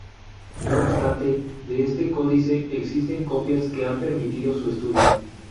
No obstante de este códice existen copias que han permitido su estudio.